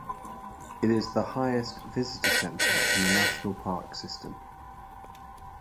It is the highest visitor center in the National Park System.